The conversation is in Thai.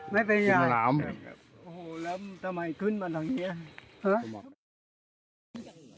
ไม่เป็นไรน้ำโอ้โหแล้วทำไมขึ้นมาตรงนี้หรือ